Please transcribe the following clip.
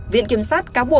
viện kiểm sát cáo quốc